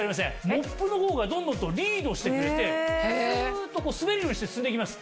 モップの方がドンドンとリードしてくれてスっと滑るようにして進んでいきます。